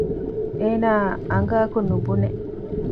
އޭނާ އަނގައަކުން ނުބުނެ